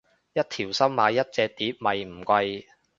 一條心買一隻碟咪唔貴